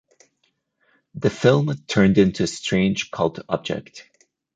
The film turned into a strange cult object.